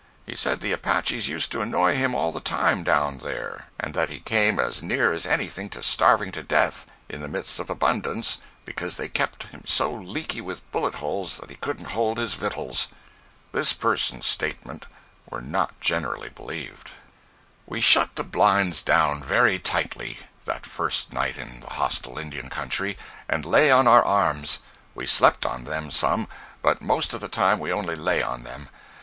He said the Apaches used to annoy him all the time down there, and that he came as near as anything to starving to death in the midst of abundance, because they kept him so leaky with bullet holes that he "couldn't hold his vittles." This person's statements were not generally believed. 076.jpg (53K) We shut the blinds down very tightly that first night in the hostile Indian country, and lay on our arms. We slept on them some, but most of the time we only lay on them.